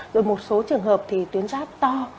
rồi một số trường hợp thì tuyến giáp to